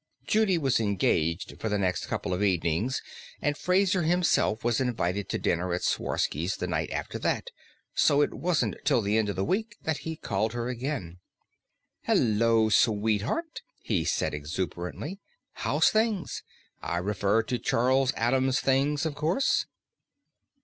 Judy was engaged for the next couple of evenings, and Fraser himself was invited to dinner at Sworsky's the night after that. So it wasn't till the end of the week that he called her again. "Hullo, sweetheart," he said exuberantly. "How's things? I refer to Charles Addams Things, of course."